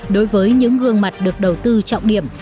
đối với những gương mặt được đầu tư trọng điểm